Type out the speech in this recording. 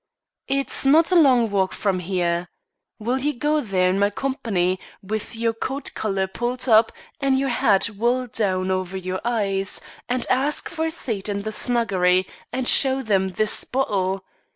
"It's not a long walk from here. Will you go there in my company, with your coat collar pulled up and your hat well down over your eyes, and ask for a seat in the snuggery and show them this bottle?